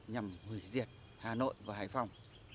nhằm hủy diệt hà nội và hải phòng